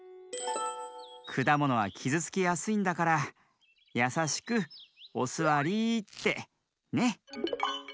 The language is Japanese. くだものはきずつきやすいんだからやさしく「おすわり」って。ね。